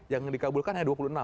yang dikabulkannya dua puluh enam